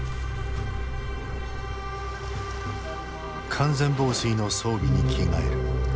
完全防水の装備に着替える。